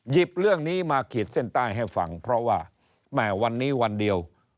เรื่องนี้มาขีดเส้นใต้ให้ฟังเพราะว่าแหมวันนี้วันเดียว